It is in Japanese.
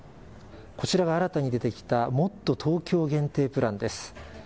こちらが新たに出てきたもっとＴｏｋｙｏ限定プランです。